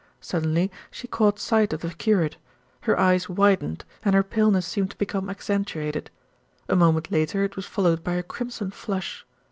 Suddenly she caught sight of the curate. Her eyes widened, and her paleness seemed to become accentuated. A moment later it was followed by a crimson flush.